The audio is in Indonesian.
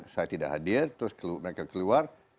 saya tidak hadir terus mereka keluar